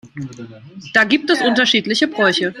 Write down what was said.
Da gibt es unterschiedliche Bräuche.